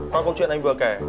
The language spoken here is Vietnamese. qua câu chuyện anh vừa kể